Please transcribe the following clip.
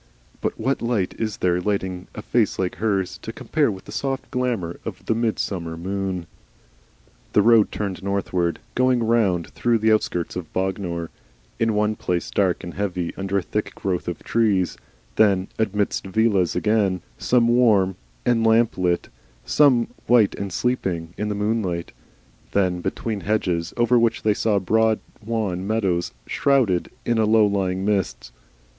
But what light is there lighting a face like hers, to compare with the soft glamour of the midsummer moon? The road turned northward, going round through the outskirts of Bognor, in one place dark and heavy under a thick growth of trees, then amidst villas again, some warm and lamplit, some white and sleeping in the moonlight; then between hedges, over which they saw broad wan meadows shrouded in a low lying mist.